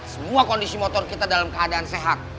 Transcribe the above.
semua kondisi motor kita dalam keadaan sehat